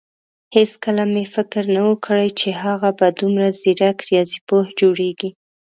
هيڅکله مې فکر نه وو کړی چې هغه به دومره ځيرک رياضيپوه جوړېږي.